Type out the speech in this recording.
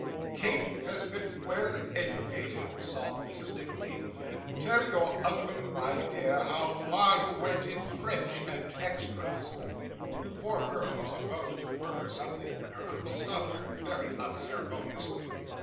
'Kate has been well educated,' sobbed Mrs. Nickleby. 'Tell your uncle, my dear, how far you went in French and extras.' The poor girl was about to murmur something, when her uncle stopped her, very unceremoniously.